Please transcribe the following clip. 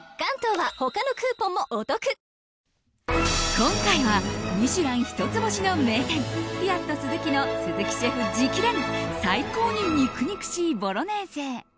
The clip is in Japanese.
今回は「ミシュラン」一つ星の名店ピアットスズキの鈴木シェフ直伝最高に肉々しいボロネーゼ。